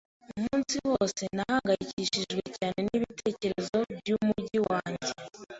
Umunsi wose, nahangayikishijwe cyane nibitekerezo byumujyi wanjye.